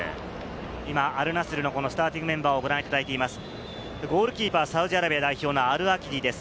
アルナスルのスターティングメンバーをご覧いただいています。